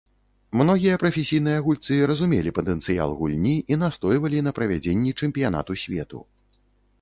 Многія прафесійныя гульцы разумелі патэнцыял гульні і настойвалі на правядзенні чэмпіянату свету.